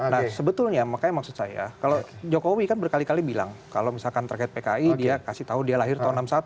nah sebetulnya makanya maksud saya kalau jokowi kan berkali kali bilang kalau misalkan terkait pki dia kasih tahu dia lahir tahun seribu sembilan ratus satu